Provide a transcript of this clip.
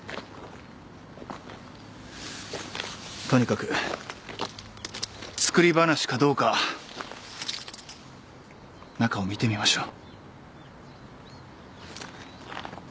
とにかく作り話かどうか中を見てみましょう。